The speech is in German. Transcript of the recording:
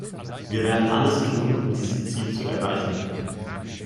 Wir werden alles tun, um dieses Ziel zu erreichen.